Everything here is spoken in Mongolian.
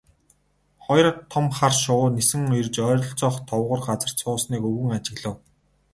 Хоёр том хар шувуу нисэн ирж ойролцоох товгор газарт суусныг өвгөн ажиглав.